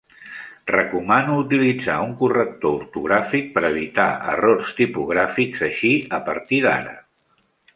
Recomano utilitzar un corrector ortogràfic per evitar errors tipogràfics així a partir d'ara.